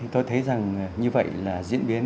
tôi thấy rằng như vậy là diễn biến